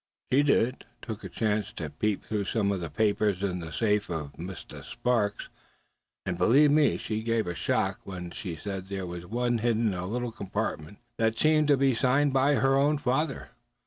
"She did, suh, took a chance to peep through some of the papers in the safe of Mistah Sparks; and believe me, she gave me a shock when she said there was one hidden in a little compartment, that seemed to have been signed by her own father.